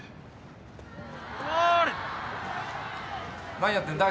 何やってんだ？